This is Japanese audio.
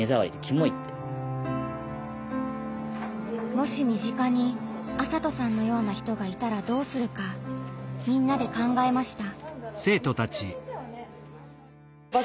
もし身近に麻斗さんのような人がいたらどうするかみんなで考えました。